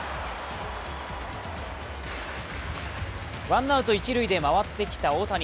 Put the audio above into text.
ワンアウト一塁で回ってきた大谷。